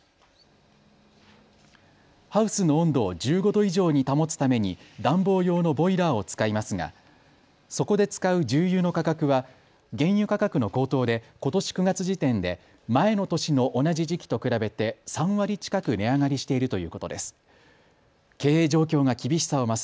ハウスの温度を１５度以上に保つために暖房用のボイラーを使いますがそこで使う重油の価格は原油価格の高騰でことし９月時点で前の年の同じ時期と比べて３割近く値上がりしているということです。